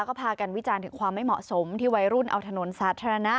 ก็พากันวิจารณ์ถึงความไม่เหมาะสมที่วัยรุ่นเอาถนนสาธารณะ